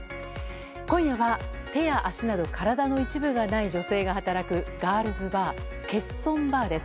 今夜は手や足など体の一部がない女性が働くガールズバー、欠損バーです。